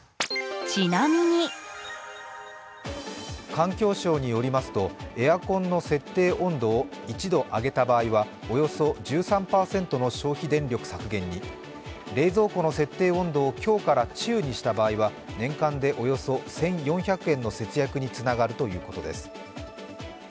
環境省によりますと、エアコンの設定温度をおよそ１３％の消費電力削減に、冷蔵庫の設定温度を強から中にした場合は年間でおよそ１４００円の節約につながるということです。